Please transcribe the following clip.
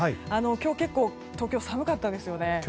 今日、結構東京寒かったですよね。